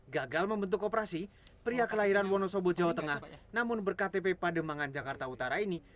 gagal membentuk operasi pria kelahiran wonosobo jawa tengah namun berktp pademangan jakarta utara ini